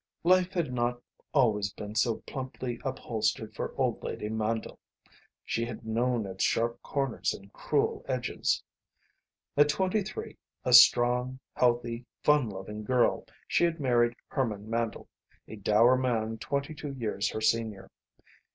Life had not always been so plumply upholstered for old lady Mandle. She had known its sharp corners and cruel edges. At twenty three, a strong, healthy, fun loving girl, she had married Herman Mandle, a dour man twenty two years her senior.